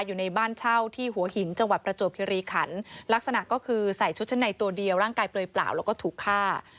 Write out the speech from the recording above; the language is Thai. อยู่ในบ้านเช่าที่หัวหินจังหวัดประจวบคิริขันลักษณะก็คือใส่ชุดชั้นในตัวเดียวร่างกายเปลยเปล่าแล้วก็ถูกฆ่า